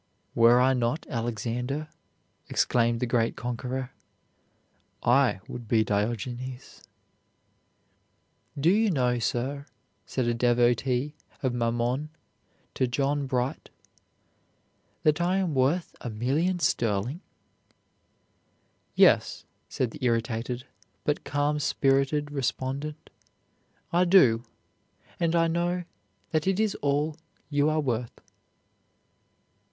"Were I not Alexander," exclaimed the great conqueror, "I would be Diogenes." "Do you know, sir," said a devotee of Mammon to John Bright, "that I am worth a million sterling?" "Yes," said the irritated but calm spirited respondent, "I do; and I know that it is all you are worth."